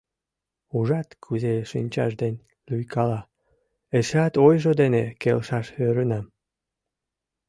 Ужат, кузе шинчаж ден лӱйкала, — эшеат ойжо дене келшаш ӧрынам.